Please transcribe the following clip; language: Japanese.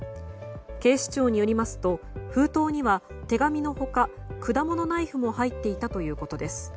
警視庁によりますと封筒には手紙の他果物ナイフも入っていたということです。